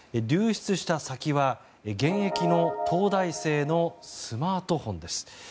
流出した先は、現役の東大生のスマートフォンです。